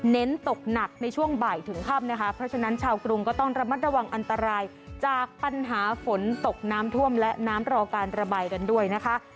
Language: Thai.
เน้นตกหนักในช่วงบ่ายถึงค่ำนะคะเพราะฉะนั้นชาวกรุงก็ต้องระมัดระวังอันตรายจากปัญหาฝนตกน้ำท่วมและน้ำรอการระบายกันด้วยนะคะ